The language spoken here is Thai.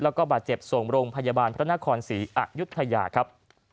แล้วก็บาดเจ็บส่งโรงพยาบาลพระนครศรีอายุทยาครับ